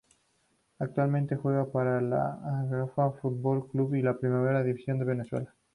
Actualmente juega para el Aragua Fútbol Club la Primera División de Venezuela.